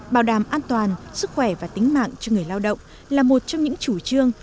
bảo đảm an toàn sức khỏe và tính mạng cho người lao động là một trong những chủ trương